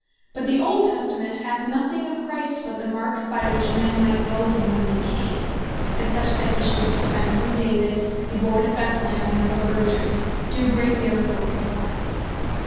But the Old Testament hath nothing of Christ, but the Markes by which men might know him when hee came; as that he should descend from David, be born at Bethlehem, and of a Virgin; doe great Miracles, and the like.